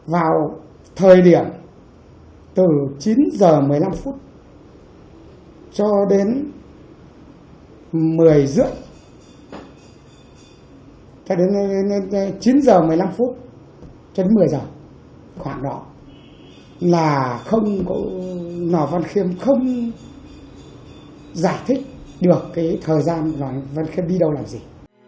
vào thời điểm từ chín giờ một mươi năm phút cho đến một mươi giờ khoảng đó là không giải thích được thời gian văn khiêm đi đâu làm gì